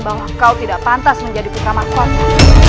bahwa kau tidak pantas menjadi putra mako